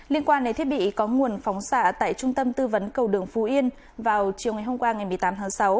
liên quan đến thiết bị có nguồn phóng xạ tại trung tâm tư vấn cầu đường phú yên vào chiều ngày hôm qua ngày một mươi tám tháng sáu